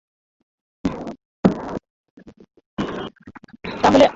তাহলে ফিস্টুলাসহ অনেক জটিলতার হাত থেকে আমাদের মায়েরা মুক্ত থাকতে পারেন।